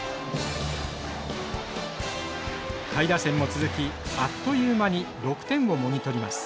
下位打線も続きあっという間に６点をもぎ取ります。